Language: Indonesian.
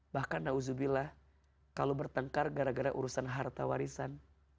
bahkan na'udzubillah kalau bertengkar gara gara urusan harta warisan